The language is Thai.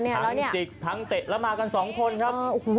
ทั้งจิกทั้งเตะแล้วมากัน๒คนครับ